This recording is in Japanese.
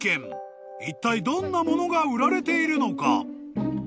［いったいどんなものが売られているのか］